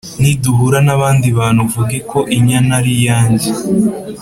‘niduhura n’abandi bantu uvuge ko inyana ari iyanjye ,